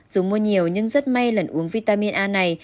dù mua nhiều nhưng rất may lần uống vitamin a này